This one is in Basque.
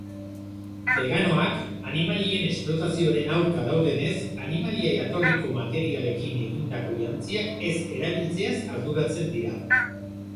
Beganoak, animalien esplotazioaren aurka daudenez, animalia-jatorriko materialekin egindako jantziak ez erabiltzeaz arduratzen dira.